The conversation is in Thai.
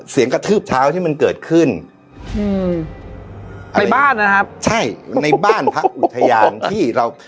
กระทืบเท้าที่มันเกิดขึ้นอืมในบ้านนะครับใช่ในบ้านพักอุทยานที่เรา